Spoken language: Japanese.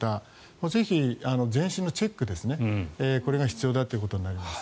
ぜひ全身のチェックが必要ということになります。